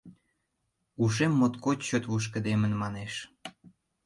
Ушем моткоч чот лушкыдемын, манеш.